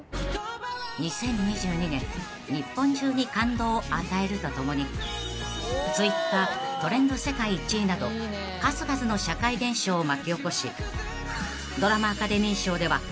［２０２２年日本中に感動を与えるとともにＴｗｉｔｔｅｒトレンド世界１位など数々の社会現象を巻き起こし］